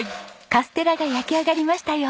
カステラが焼き上がりましたよ。